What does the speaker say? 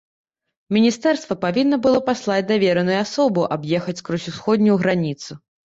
Міністэрства павінна было паслаць давераную асобу аб'ехаць скрозь усходнюю граніцу.